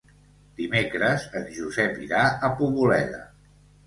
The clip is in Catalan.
Dimecres en Josep irà a Poboleda.